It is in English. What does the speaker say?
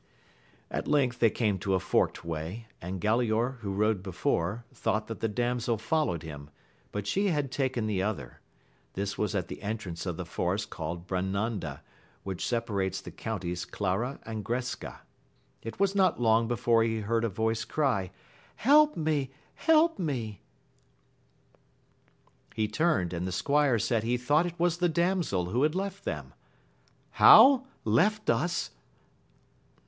At length they came to a forked way, and Galaor, who rode before, thought that tlie damsel followed him, but she had taken the other : this was at the entrance of the forest called Brananda, which sepa rates the counties Clara and Gresca. It was not long before he heard a voice cry, Help me ! help me i He turned, and the squire said he thought it was the damsel who had left them. How ! left us